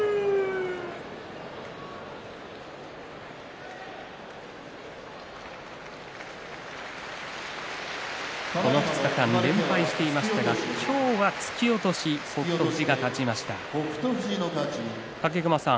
拍手２日間連敗していましたけども今日は突き落とし北勝富士が勝ちました。